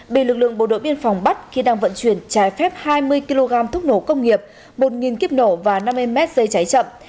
bị lực lượng bộ đội biên phòng bắt khi đang vận chuyển trái phép hai mươi kg thuốc nổ công nghiệp một kiếp nổ và năm mươi m dây cháy chậm